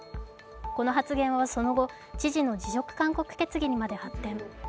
この発言はその後、知事の辞職勧告決議にまで発展。